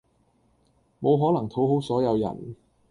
無可能討好所有人